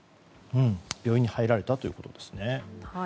病院に入られたということです。